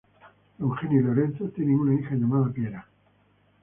Eugenia y Lorenzo tienen una hija llamada Piera.